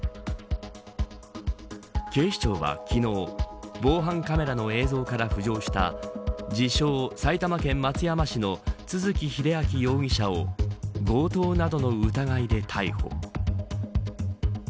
警視庁は昨日防犯カメラの映像から浮上した自称、埼玉県松山市の都築英明容疑者を強盗などの疑いで逮捕。